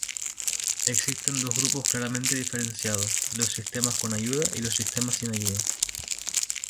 Existen dos grupos claramente diferenciados: los sistemas con ayuda y los sistemas sin ayuda.